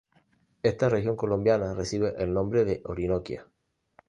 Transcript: Esta región colombiana recibe el nombre de Orinoquía.